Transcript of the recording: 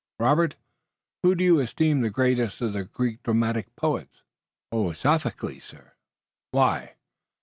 Robert, whom do you esteem the greatest of the Greek dramatic poets?" "Sophocles, sir." "Why?"